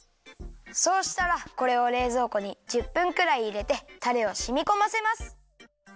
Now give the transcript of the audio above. そうしたらこれをれいぞうこに１０分くらいいれてたれをしみこませます。